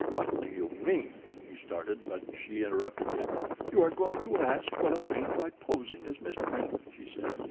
"What do you mean " he started; but she interrupted him. "You are going to ask what I mean by posing as Miss Prim," she said.